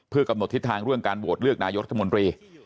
กำหนดทิศทางเรื่องการโหวตเลือกนายกรัฐมนตรี